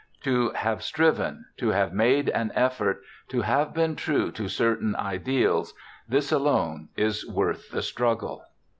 To have striven, to have made an effort, to have been true to certain ideals — this alone is worth the struggle.